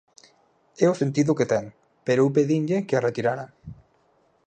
É o sentido que ten, pero eu pedinlle que a retirara.